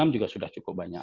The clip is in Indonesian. enam juga sudah cukup banyak